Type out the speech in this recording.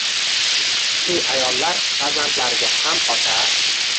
Kuchli ayollar farzandlariga ham ota